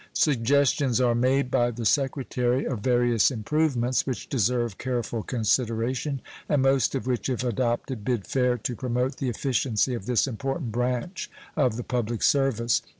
Suggestions are made by the Secretary of various improvements, which deserve careful consideration, and most of which, if adopted, bid fair to promote the efficiency of this important branch of the public service.